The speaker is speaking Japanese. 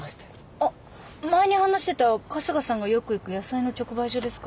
あっ前に話してた春日さんがよく行く野菜の直売所ですか？